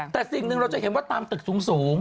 แต่สิ่งหนึ่งเราจะเห็นว่าตามตึกสูง